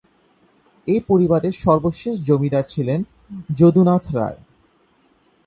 এ পরিবারের সর্বশেষ জমিদার ছিলেন যদুনাথ রায়।